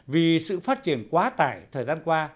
vì sự phát triển quá tải thời gian qua